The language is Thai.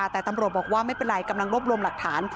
แต่ตำรวจบอกว่าไม่เป็นไรกำลังรวบรวมหลักฐาน